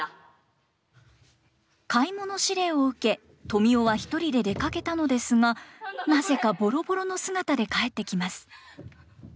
買い物指令を受けトミオは１人で出かけたのですがなぜかボロボロの姿で帰ってきます。